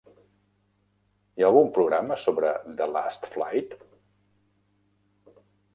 hi ha algun programa sobre "The Last Flight"?